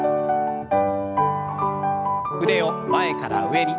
腕を前から上に。